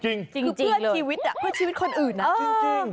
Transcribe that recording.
คือเพื่อชีวิตเพื่อชีวิตคนอื่นนะจริง